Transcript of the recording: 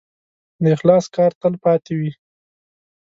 د اخلاص کار تل پاتې وي.